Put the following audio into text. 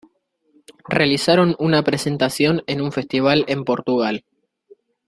Realizaron una presentación en un festival en Portugal.